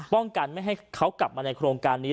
ป้องกันไม่ให้เขากลับมาในโครงการนี้